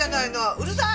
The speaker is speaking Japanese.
うるさい！